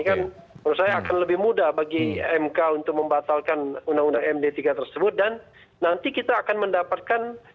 ini kan menurut saya akan lebih mudah bagi mk untuk membatalkan undang undang md tiga tersebut dan nanti kita akan mendapatkan